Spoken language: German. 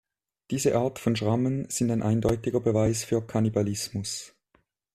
Diese Art von Schrammen sind ein eindeutiger Beweis für Kannibalismus.